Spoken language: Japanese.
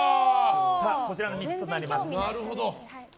こちらの３つとなります。